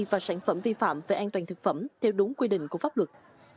và sản phẩm vi phạm về an toàn thực phẩm theo đúng quy định của pháp luật